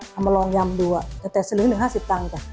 เอามาลองยำดูอ่ะแต่แต่สลิงหนึ่ง๕๐ตังค่ะ